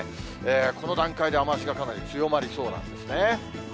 この段階で雨足がかなり強まりそうなんですね。